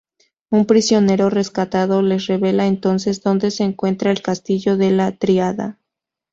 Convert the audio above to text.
Un prisionero rescatado les revela entonces dónde se encuentra el Castillo de la Triada.